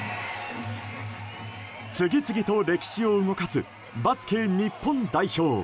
次々と歴史を動かすバスケ日本代表。